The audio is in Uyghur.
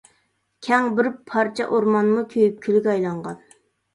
كەڭ بىر پارچە ئورمانمۇ كۆيۈپ كۈلگە ئايلانغان.